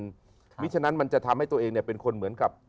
เพราะฉะนั้นมันจะทำให้ตัวเองเป็นคนเหมือนกับ